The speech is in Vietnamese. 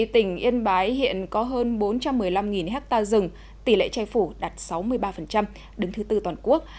tỉnh yên bái hiện có hơn bốn trăm một mươi năm ha rừng tỷ lệ che phủ đạt sáu mươi ba đứng thứ tư toàn quốc